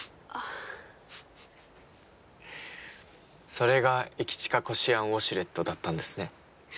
それが「駅近こしあんウォシュレット」だったんですね。